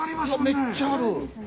めっちゃある。